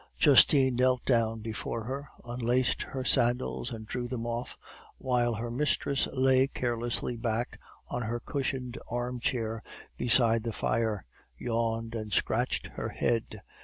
"Justine knelt down before her, unlaced her sandals and drew them off, while her mistress lay carelessly back on her cushioned armchair beside the fire, yawned, and scratched her head.